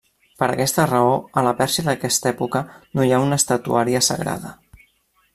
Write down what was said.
Per aquesta raó, a la Pèrsia d'aquesta època no hi ha una estatuària sagrada.